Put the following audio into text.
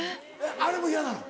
あれも嫌なの？